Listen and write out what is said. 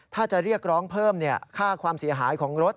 ถ้าจะเรียกร้องเพิ่มค่าความเสียหายของรถ